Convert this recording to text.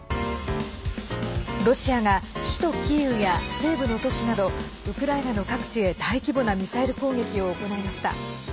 ロシアが首都キーウや西部の都市などウクライナの各地へ、大規模なミサイル攻撃を行いました。